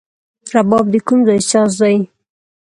رباب د کوم ځای ساز دی؟